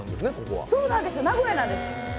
名古屋なんです。